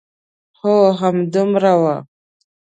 هو، همدومره و.